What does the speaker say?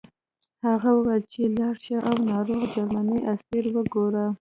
هغه وویل چې لاړ شه او ناروغ جرمنی اسیر وګوره